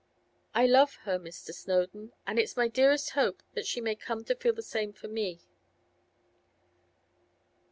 I love her, Mr. Snowdon, and it's my dearest hope that she may come to feel the same for me.